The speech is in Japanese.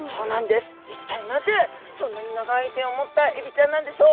一体なぜそんなに長い手を持ったエビちゃんなんでしょう。